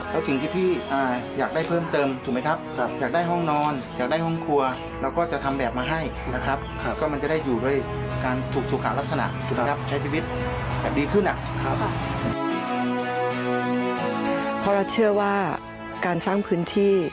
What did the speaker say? เพราะเราเชื่อว่าการสร้างพื้นที่